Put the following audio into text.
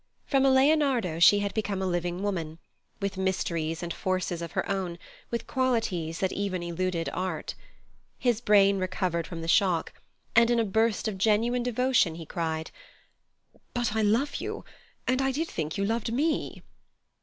From a Leonardo she had become a living woman, with mysteries and forces of her own, with qualities that even eluded art. His brain recovered from the shock, and, in a burst of genuine devotion, he cried: "But I love you, and I did think you loved me!"